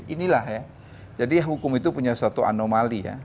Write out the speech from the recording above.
inilah ya jadi hukum itu punya suatu anomali ya